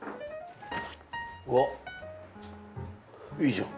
うわっ、いいじゃん。